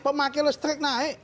pemakai listrik naik